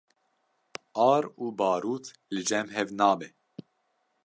Ar û barût li cem hev nabe